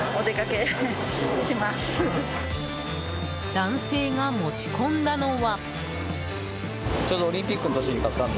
男性が持ち込んだのは。